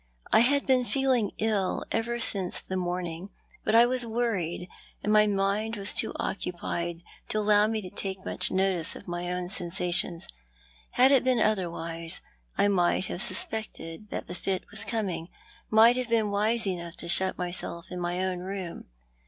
I had been feeling ill ever since the morning ; but I was worried, and my mind waa too occupied to allow me to take much notice of my own seur sations. Had it been otherwise, I might have suspected that the fit was coming, might have been wise enough to shut myself in my own room.